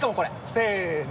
せの。